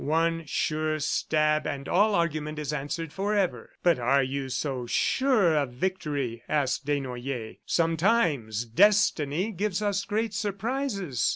One sure stab and all argument is answered forever!" "But are you so sure of victory?" asked Desnoyers. "Sometimes Destiny gives us great surprises.